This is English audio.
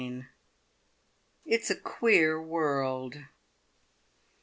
IT'S A QUEER WORLD.